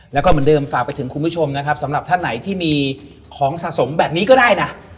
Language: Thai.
แล้วก็เหมือนเดิมฝากไปถึงคุณผู้ชมนะครับสำหรับท่านไหนที่มีของสะสมแบบนี้ก็ได้นะ